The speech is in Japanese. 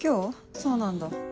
そうなんだ。